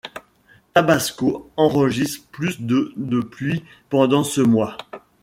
Tabasco enregistre plus de de pluies pendant ce mois.